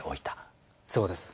そうです。